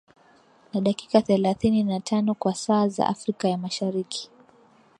na dakika thelathini na tano kwa saa za afrika ya mashariki